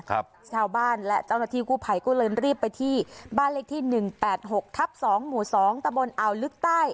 ชาวบ้านและเจ้าหน้าที่กู้ภัยก็เลยรีบไปที่บ้านเลขที่หนึ่งแปดหกทับสองหมู่สองตะบนอ่าวลึกใต้